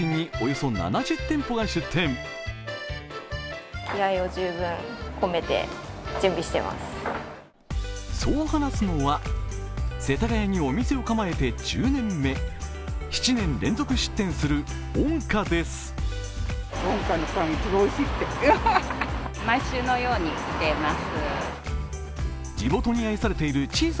そう話すのは、世田谷にお店を構えて１０年目、７年連続出店するｏｎｋａです。